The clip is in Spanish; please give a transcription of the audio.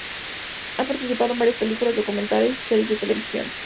Ha participado en varias películas, documentales y series de televisión.